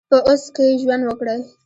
په اوس کې ژوند وکړئ